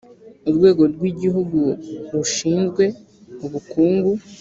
urwego rw igihugu rushinzwe ubukungu